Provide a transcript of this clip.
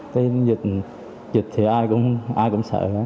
tuy nhiên dịch thì ai cũng sợ